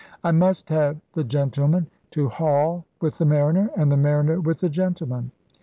I must have the gentleman to haul with the mariner and the mariner with the gentleman.